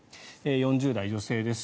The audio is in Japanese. ４０代女性です。